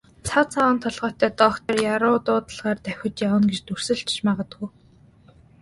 Цав цагаан толгойтой доктор яаруу дуудлагаар давхиж явна гэж дүрсэлж ч магадгүй.